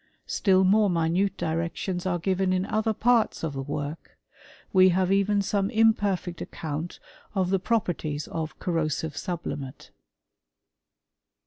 * Still more min directions are given in other parts of the work : have even some imperfect account of the properties corrosive sublimate.